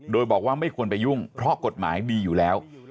โดยบอกว่าไม่ควรไปยุ่งเพราะกฎหมายดีอยู่แล้ว